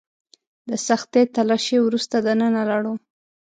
د سختې تلاشۍ وروسته دننه لاړو.